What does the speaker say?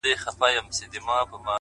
o څوک به نو څه رنګه اقبا وویني ـ